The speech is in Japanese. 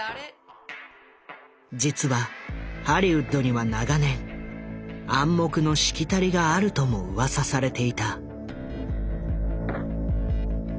実はハリウッドには長年暗黙のしきたりがあるともうわさされていた。